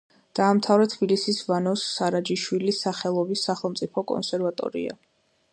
დაამთავრა თბილისის ვანოს სარაჯიშვილის სახელობის სახელმწიფო კონსერვატორია.